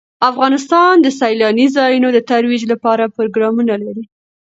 افغانستان د سیلانی ځایونه د ترویج لپاره پروګرامونه لري.